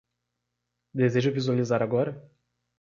Deseja visualizar agora?